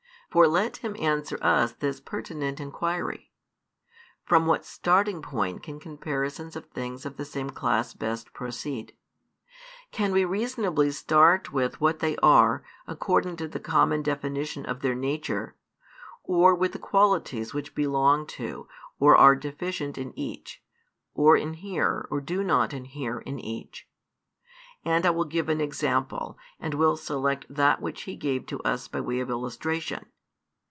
For let him answer us this pertinent inquiry: From what starting point can comparisons of things of the same class best proceed? Can we reasonably start with what they are, according to the common definition of their nature, or with the qualities which belong to, or are deficient in each, or inhere or do not inhere in each? And I will give an example, and will select that which he gave to us by way of illustration.